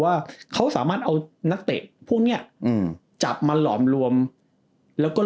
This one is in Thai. ว่าเขาสามารถเอานักเตะพวกเนี้ยอืมจับมาหลอมรวมแล้วก็